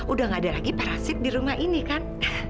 udah gak ada lagi parasit di rumah ini kan